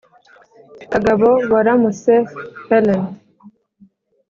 kagabo: waramutse helen.